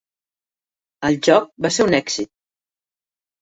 El joc va ser un èxit.